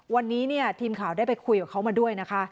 วันนี้เนี่ยทีมข่าวได้ไปคุยกับเขามาด้วยนะคะ